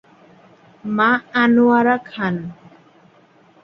মা আনোয়ারা খান।